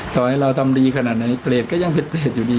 ต่อให้เราทำดีขนาดไหนเกรดก็ยังเผ็ดอยู่ดี